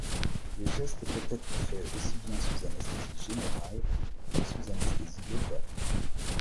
Le geste peut être fait aussi bien sous anesthésie générale que sous anesthésie locale.